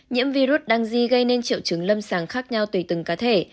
nhiễm virus đang di gây nên triệu chứng lâm sàng khác nhau tùy từng cá thể